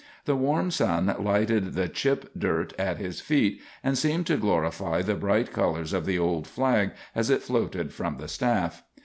The warm sun lighted the chip dirt at his feet, and seemed to glorify the bright colors of the old flag as it floated from the staff.